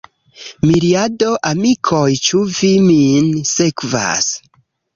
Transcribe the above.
Miriado, amikoj, ĉu vi min sekvas?